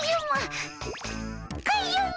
カズマ！